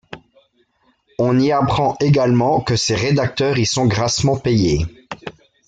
On y apprend également que ses rédacteurs y sont grassement payés.